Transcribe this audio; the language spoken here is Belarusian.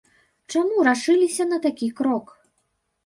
Чаму рашыліся на такі крок?